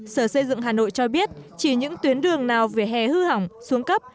sở xây dựng hà nội cho biết chỉ những tuyến đường nào về hè hư hỏng xuống cấp